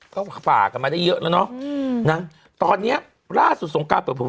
ก็ฝากกันมาได้เยอะแล้วเนอะอือน่าตอนเนี้ยล่าสุดทรงการแบบผมว่า